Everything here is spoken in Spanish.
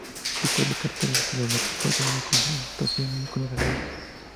Tipo de carreras de los lotes forzó una confrontación con la realidad.